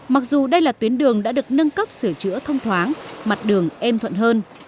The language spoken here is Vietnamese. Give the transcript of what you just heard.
mặc dù đây là tuyến đường đã được nâng cấp sửa chữa thông thoáng mặt đường êm thuận hơn